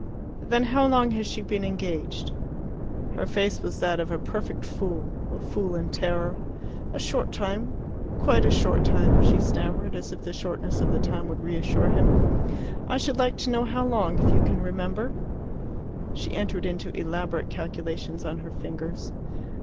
"Then how long has she been engaged?" Her face was that of a perfect fool a fool in terror. "A short time quite a short time," she stammered, as if the shortness of the time would reassure him. "I should like to know how long, if you can remember." She entered into elaborate calculations on her fingers.